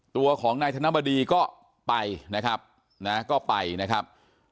ตัวของนายธนบดีก็ไปนะครับนะก็ไปนะครับ